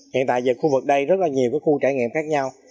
hiện tại về khu vực đây rất là nhiều cái khu trải nghiệm khác nhau